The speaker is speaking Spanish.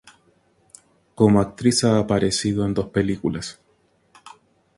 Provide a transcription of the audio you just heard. Como actriz ha aparecido en dos películas.